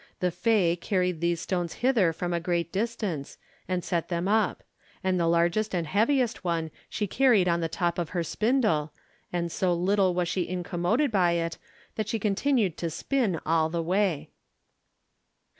The fée carried these stones hither from a great distance, and set them up; and the largest and heaviest one she carried on the top of her spindle, and so little was she incommoded by it that she continued to spin all the way.